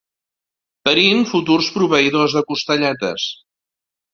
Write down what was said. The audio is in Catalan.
Parint futurs proveïdors de costelletes.